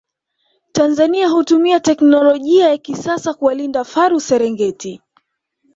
Tanzania hutumia teknolojia ya kisasa kuwalinda faru Serengeti